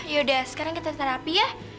yaudah sekarang kita terapi ya